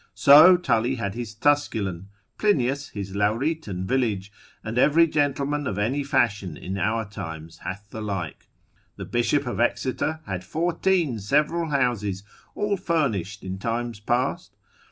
So Tully had his Tusculan, Plinius his Lauretan village, and every gentleman of any fashion in our times hath the like. The bishop of Exeter had fourteen several houses all furnished, in times past.